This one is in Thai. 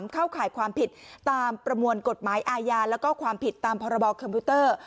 เข้าข่ายความผิดตามประมวลกฎหมายอาญาแล้วก็ความผิดตามพรบคอมพิวเตอร์